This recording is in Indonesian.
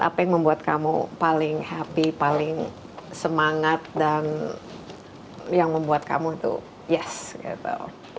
apa yang membuat kamu paling happy paling semangat dan yang membuat kamu itu yes gitu